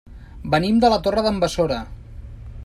Venim de la Torre d'en Besora.